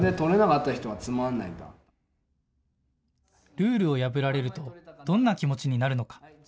ルールを破られるとどんな気持ちになるのか。